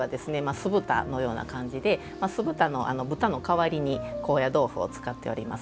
酢豚のような感じで酢豚の豚の代わりに高野豆腐を使っております。